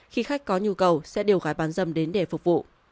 khi khách có nhu cầu sẽ đều gái bán dâm đến để phục vụ